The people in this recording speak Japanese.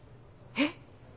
えっ！